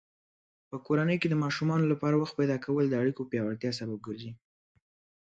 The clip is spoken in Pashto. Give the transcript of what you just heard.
په کورنۍ کې د ماشومانو لپاره وخت پیدا کول د اړیکو پیاوړتیا سبب ګرځي.